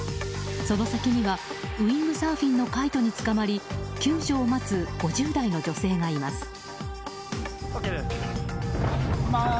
その先にはウィングサーフィンのカイトにつかまり救助を待つ５０代の女性がいます。